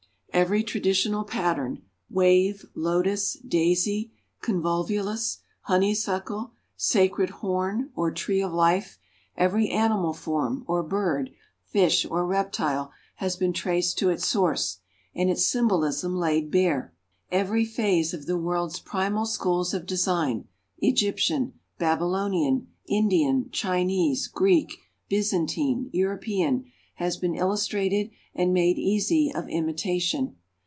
Every traditional pattern wave, lotus, daisy, convolvulus, honeysuckle, "Sacred Horn" or tree of life; every animal form, or bird, fish or reptile, has been traced to its source, and its symbolism laid bare. Every phase of the world's primal schools of design Egyptian, Babylonian, Indian, Chinese, Greek, Byzantine, European has been illustrated and made easy of imitation.